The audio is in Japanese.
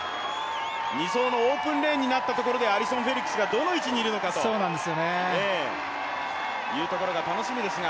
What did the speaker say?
２走のオープンレーンになったところでアリソン・フェリックスがどの位置にいるのかというところが楽しみですが。